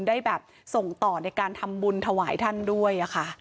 ได้แบบส่งต่อในการทำบุญถวายท่านด้วยค่ะ